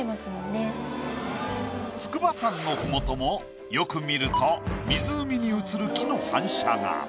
筑波山の麓もよく見ると湖に映る木の反射が。